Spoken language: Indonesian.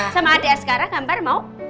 sama adik sekarang gambar mau